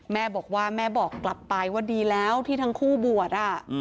แม่บอกว่าแม่บอกกลับไปว่าดีแล้วที่ทั้งคู่บวช